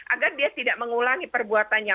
agar dia tidak mengulangi perbuatannya